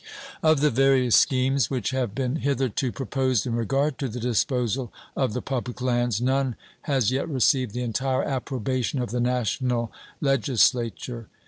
Of the various schemes which have been hitherto proposed in regard to the disposal of the public lands, none has yet received the entire approbation of the National Legislature.